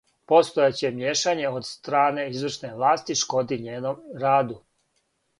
Постојеће мијешање од стране извршне власти шкоди њеном раду.